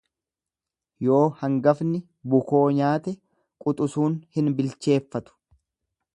Yoo hangafni bukoo nyaate quxusuun hin bilcheeffatu.